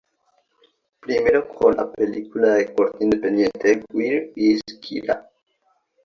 Primero con la película de corte independiente "Where is Kyra?